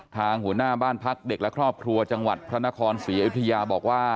หัวหน้าบ้านพักเด็กและครอบครัวจังหวัดพระนครศรีอยุธยาบอกว่า